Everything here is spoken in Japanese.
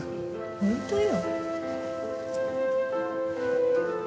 本当よ。